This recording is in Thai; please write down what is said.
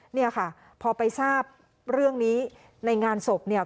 เนี่ยค่ะพอไปทราบเรื่องนี้ในงานศพเนี่ย